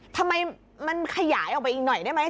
ทำไมมันขยายออกไปอีกหน่อยได้ไหม